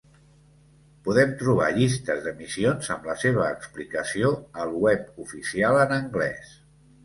Podem trobar llistes de missions amb la seva explicació al Web oficial en anglès.